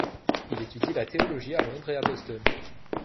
Il étudie la théologie à Londres et à Boston.